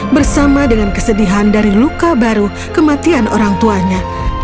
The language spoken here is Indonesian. bersama dengan kesedihan dari luka baru kematian orang tuanya